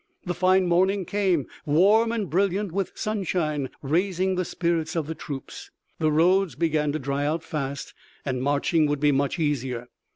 The fine morning came, warm and brilliant with sunshine, raising the spirits of the troops. The roads began to dry out fast and marching would be much easier.